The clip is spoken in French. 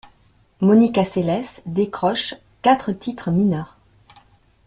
Monica Seles décroche quatre titres mineurs.